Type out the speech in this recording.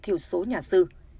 thiểu số nhà sư